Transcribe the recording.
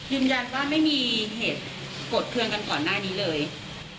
ยืนยันว่าไม่มีเหตุโกรธเครื่องกันก่อนหน้านี้เลย